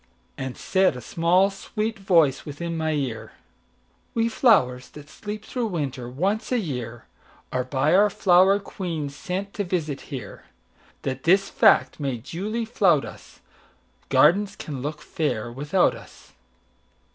And said a small, sweet voice within my ear:"We flowers, that sleep through winter, once a yearAre by our flower queen sent to visit here, That this fact may duly flout us,—Gardens can look fair without us.